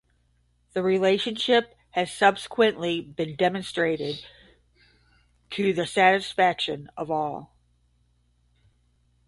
The relationship "has subsequently been demonstrated to the satisfaction of all".